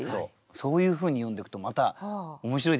そういうふうに読んでいくとまた面白いでしょ？